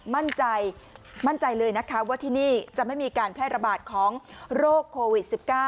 มั่นใจมั่นใจเลยนะคะว่าที่นี่จะไม่มีการแพร่ระบาดของโรคโควิด๑๙